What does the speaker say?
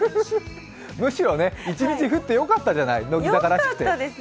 むしろ１日降ってよかったじゃない、乃木坂らしくて。